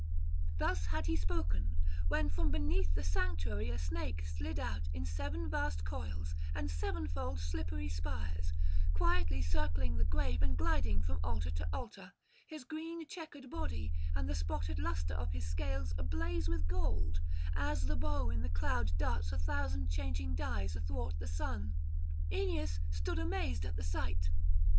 Thus had he spoken; when from beneath the sanctuary a snake slid out in seven vast coils and sevenfold slippery spires, quietly circling the grave and gliding from altar to altar, his green chequered body and the spotted lustre of his scales ablaze with gold, as the bow in the cloud darts a thousand changing dyes athwart the sun: Aeneas stood amazed at the sight.